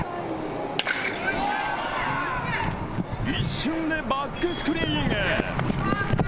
一瞬でバックスクリーンへ。